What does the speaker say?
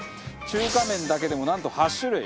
中華麺だけでもなんと８種類。